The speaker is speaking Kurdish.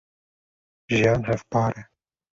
jiyan hevpar e.